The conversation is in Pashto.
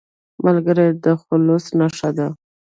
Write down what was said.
ملګری د خلوص نښه ده